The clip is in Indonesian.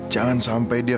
jangan sampai dia